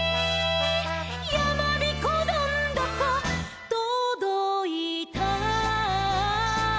「やまびこどんどことどいた」